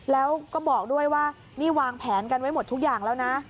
แล้วก็บอกด้วยว่านี่วางแผนกันไว้หมดทุกอย่างแล้วนะ